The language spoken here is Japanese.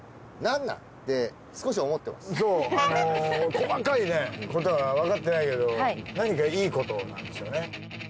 細かいことはわかってないけど何かいいことなんですよね。